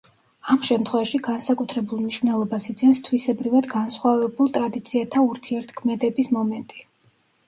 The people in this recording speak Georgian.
ამ შემთხვევაში განსაკუთრებულ მნიშვნელობას იძენს თვისებრივად განსხვავებულ ტრადიციათა ურთიერთქმედების მომენტი.